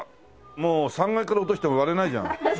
もう３階から落としても割れないじゃん。